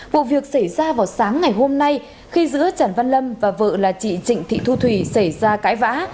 vụ việc xảy ra vào sáng ngày hôm nay khi giữa trần văn lâm và vợ là chị trịnh thị thu thủy xảy ra cãi vã